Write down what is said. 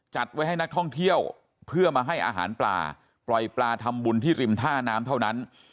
จัดไว้ให้นักท่องเที่ยวเพื่อมาให้อาหารปลาปล่อยปลาทำบุญที่ริมท่าน้ำเท่านั้น